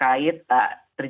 jadi ada pengurangan kepolisian